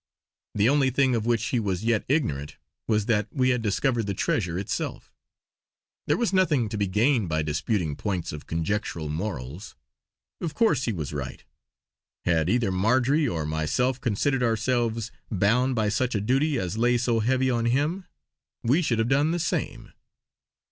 The only thing of which he was yet ignorant, was that we had discovered the treasure itself. There was nothing to be gained by disputing points of conjectural morals. Of course he was right; had either Marjory or myself considered ourselves bound by such a duty as lay so heavy on him we should have done the same.